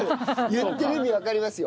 言ってる意味わかりますよ。